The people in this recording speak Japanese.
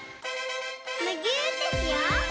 むぎゅーってしよう！